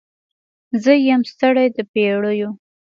زه یم ستړې د پیړیو